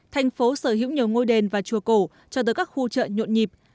thành phố sở hữu nhiều ngôi đền và chùa cổ cho tới các khu chợ nhuộn nhịp